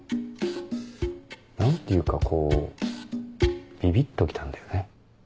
何ていうかこうビビっと来たんだよね。